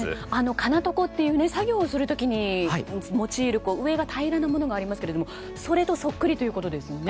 かなとこという作業をする時に用いる上が平らなものがありますがそれとそっくりということですね。